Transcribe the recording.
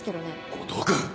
後藤君！